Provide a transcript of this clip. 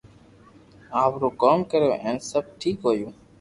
آپرو ڪوم ڪريو ھين سب ٺيڪ ھويو